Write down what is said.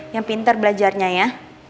yang pintar belajarnya ya